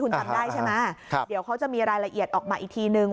คุณจำได้ใช่ไหมเดี๋ยวเขาจะมีรายละเอียดออกมาอีกทีนึง